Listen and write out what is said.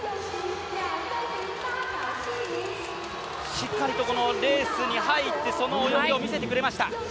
しっかりとレースに入ってその泳ぎを見せてくれました。